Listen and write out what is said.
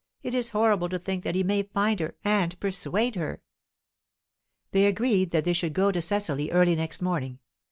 It is horrible to think that he may find her, and persuade her." They agreed that she should go to Cecily early next morning.